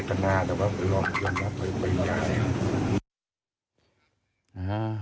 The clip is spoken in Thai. อ่า